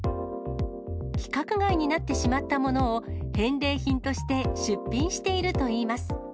規格外になってしまったものを、返礼品として出品しているといいます。